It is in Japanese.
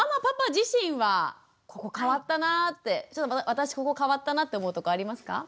私ここ変わったなって思うとこありますか？